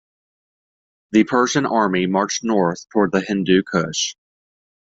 The Persian army marched north toward the Hindu Kush.